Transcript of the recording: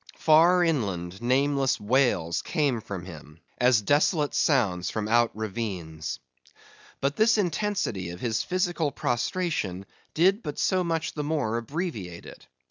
Far inland, nameless wails came from him, as desolate sounds from out ravines. But this intensity of his physical prostration did but so much the more abbreviate it.